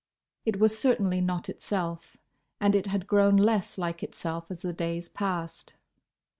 It was certainly not itself, and it had grown less like itself as the days passed.